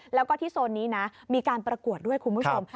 แล้วก็ที่โซนนี้นะมีการประกวดด้วยคุณผู้ชม